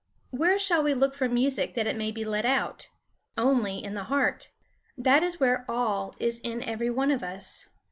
Where shall we look for music that it may be led out? Only in the heart. That is where all is in every one of us.